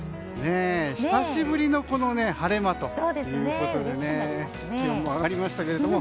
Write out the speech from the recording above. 久しぶりの晴れ間ということで気温も上がりましたけども。